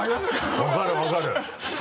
分かる分かる！